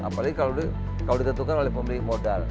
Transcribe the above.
apalagi kalau ditentukan oleh pemilik modal